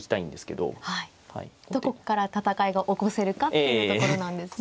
どこから戦いが起こせるかっていうようなところなんですね。